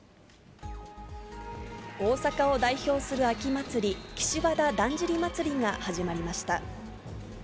大阪を代表する秋祭り、岸和田だんじり祭が始まりました。